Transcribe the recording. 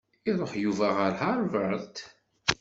Iṛuḥ Yuba ɣer Harvard.